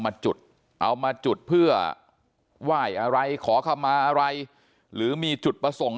มาจุดเอามาจุดเพื่อไหว้อะไรขอเข้ามาอะไรหรือมีจุดประสงค์